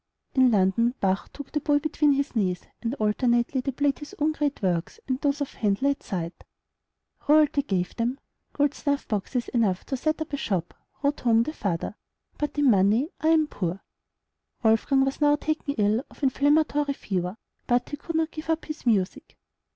In London, Bach took the boy between his knees, and alternately they played his own great works and those of Handel at sight. Royalty gave them "gold snuffboxes enough to set up a shop," wrote home the father; "but in money I am poor." Wolfgang was now taken ill of inflammatory fever; but he could not give up his music.